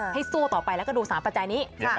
สู้ต่อไปแล้วก็ดู๓ปัจจัยนี้